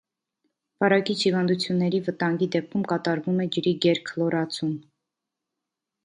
Վարակիչ հիվանդությունների վտանգի դեպքում կատարվում է ջրի գերքլորացում։